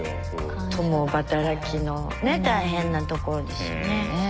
共働きのねっ大変なところですよね。ねぇ。